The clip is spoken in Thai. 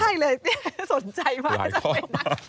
ได้เลยสนใจมากจะไปนั่งคิด